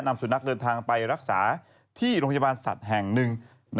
สุนัขเดินทางไปรักษาที่โรงพยาบาลสัตว์แห่งหนึ่ง